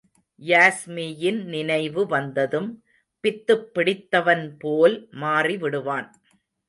யாஸ்மியின் நினைவு வந்ததும் பித்துப் பிடித்தவன் போல் மாறிவிடுவான்.